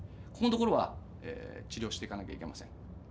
ここの所は治療していかなきゃいけません。